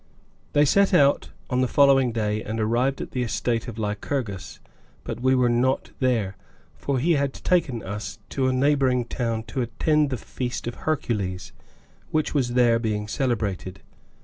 They set out on the following day and arrived at the estate of Lycurgus, but we were not there, for he had taken us to a neighboring town to attend the feast of Hercules, which was there being celebrated.